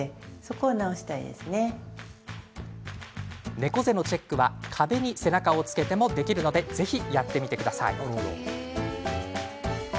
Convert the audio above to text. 猫背のチェックは壁に背中をつけてもできるのでぜひ、やってみてください。